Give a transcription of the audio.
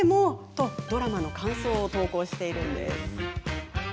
と、ドラマの感想を投稿しているんです。